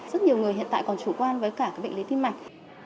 rất nhiều người hiện tại còn chủ quan với cả bệnh lý tim mạch